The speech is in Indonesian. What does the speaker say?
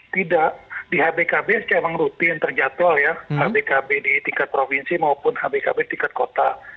tidak di hbkb saya memang rutin terjatuh ya hbkb di tingkat provinsi maupun hbkb tingkat kota